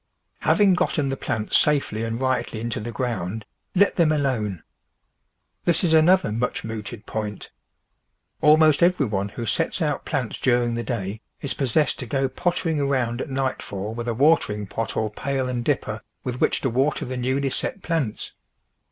Having gotten the plants safely and rightly into the ground, let them alone. This is another much mooted point. Almost everyone who sets out plants during the day is possessed to go put tering around at nightfall with a watering pot or pail and dipper with which to water the newly set plants.